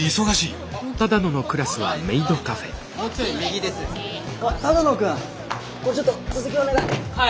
これちょっと続きお願い。